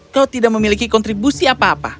kau tidak memiliki kontribusi apa apa